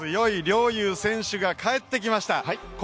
強い陵侑選手が帰ってきました。